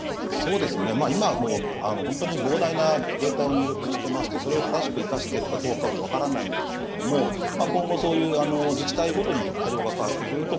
今、本当に膨大なデータを入力していましてそれを正しく生かしているかどうかも分からないですけれども今後、自治体ごとに対応が変わってくると